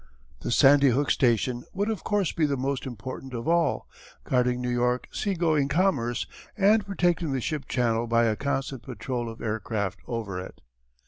The Sandy Hook station would of course be the most important of all, guarding New York sea going commerce and protecting the ship channel by a constant patrol of aircraft over it.